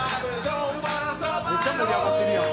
「めっちゃ盛り上がってるやん」